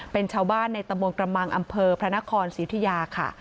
เป็นชาวบ้านในตำบลกระมังอำเภอพระนครศรีอุทิยาค่ะ